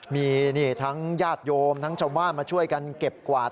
มีทั้งญาติโยมทั้งชาวบ้านมาช่วยกันเก็บกวาด